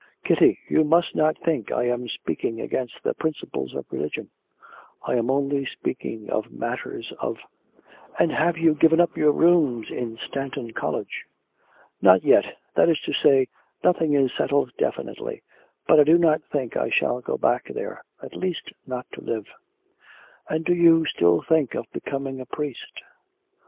Kitty, you must not think I am speaking against the principles of religion; I am only speaking of matters of ' 'And have you given up your rooms in Stanton College?' 'Not yet that is to say, nothing is settled definitely; but I do not think I shall go back there, at least not to live.' 'And do you still think of becoming a priest?'